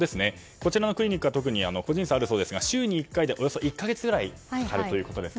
こちらのクリニックは、特に個人差あるそうですが週に１回で１か月ぐらいかかるということです。